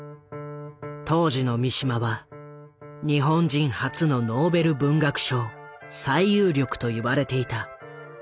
当時の三島は「日本人初のノーベル文学賞最有力」と言われていた。